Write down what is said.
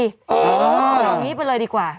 ทีนี้ไปเลยดีกว่า